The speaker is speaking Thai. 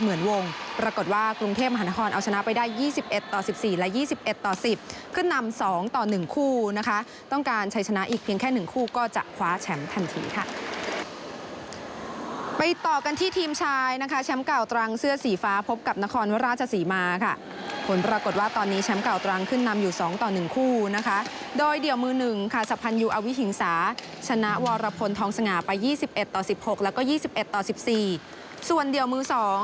เหมือนวงปรากฏว่ากรุงเทพมหานครเอาชนะไปได้ยี่สิบเอ็ดต่อสิบสี่และยี่สิบเอ็ดต่อสิบขึ้นนำสองต่อหนึ่งคู่นะคะต้องการใช้ชนะอีกเพียงแค่หนึ่งคู่ก็จะคว้าแชมป์ทันทีค่ะไปต่อกันที่ทีมชายนะคะแชมป์เก่าตรังเสื้อสีฟ้าพบกับนครวราชสีมาค่ะผลปรากฏว่าตอนนี้แชมป์เก่าตรังขึ้นนำอยู่สองต่อหนึ่